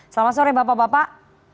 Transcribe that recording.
selamat sore bapak bapak